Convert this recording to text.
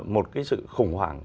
một cái sự khủng hoảng